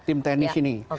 tim teknis ini